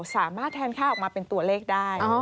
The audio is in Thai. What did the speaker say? แทนค่าออกมาเป็นตัวเลขได้